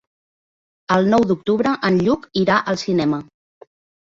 El nou d'octubre en Lluc irà al cinema.